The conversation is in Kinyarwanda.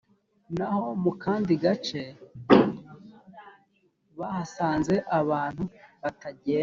naho mu kandi gace bahasanze abantu batagenda